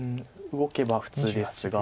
動けば普通ですが。